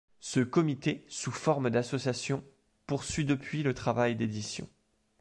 Ce comité, sous forme d'association, poursuit depuis le travail d'édition.